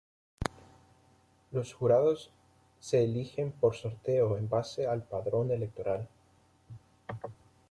Los jurados se eligen por sorteo en base al Padrón Electoral.